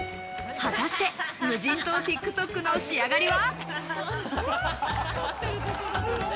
果たして無人島ＴｉｋＴｏｋの仕上がりは？